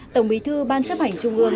tổng bí thư ban chấp hành trung ương